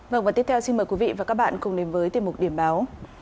vâng và tiếp theo xin mời quý vị và các bạn cùng đến với tiểu mục điểm báo